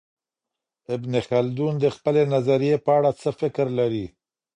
ابن خلدون د خپلې نظریې په اړه څه فکر لري؟